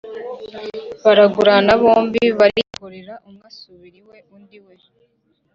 baragurana bombi barikorera, umwe asubira iwe undi iwe.